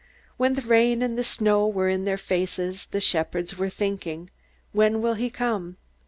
When the rain and the snow were in their faces, the shepherds were thinking, _When will he come?